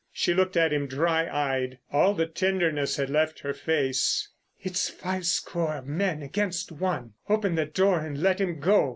She looked at him dry eyed. All the tenderness had left her face. "It's five score of men against one. Open the door and let him go.